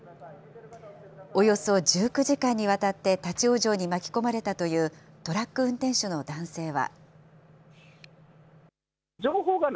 およそ１９時間にわたって立往生に巻き込まれたというトラック運転手の男性は。